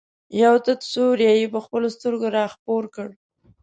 یو تت سیوری یې په خپلو سترګو را خپور کړ.